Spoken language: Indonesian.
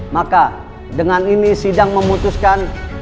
maka dengan ini sidang memutuskan